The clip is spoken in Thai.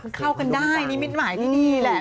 มันเข้ากันได้นิมิตหมายที่ดีแหละ